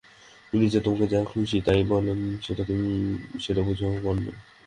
উনি যে তোমাকে যা-খুশি-তাই বললেন, সেটা বুঝি অপমান নয়?